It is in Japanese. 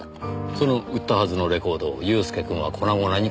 その売ったはずのレコードを裕介くんは粉々に砕きました。